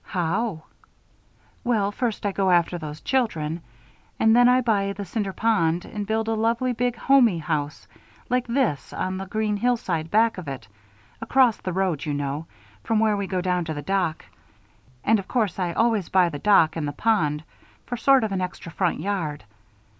"How?" "Well, first I go after those children. And then I buy the Cinder Pond and build a lovely big home y house like this on the green hillside back of it across the road, you know, from where we go down to the dock. And of course I always buy the dock and the pond for sort of an extra front yard.